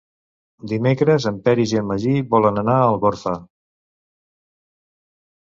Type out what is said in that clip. Dimecres en Peris i en Magí volen anar a Algorfa.